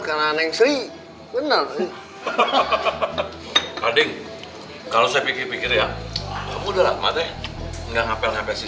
karena neng sri benar benar ading kalau saya pikir pikir ya udah mati nggak ngapain ngapain